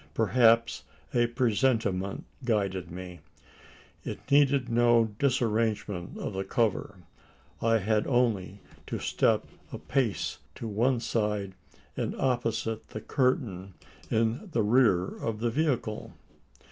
Perhaps a presentiment guided me? It needed no disarrangement of the cover. I had only to step a pace to one side and opposite the curtain in the rear of the vehicle.